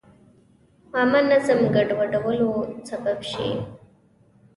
عامه نظم ګډوډولو سبب شي.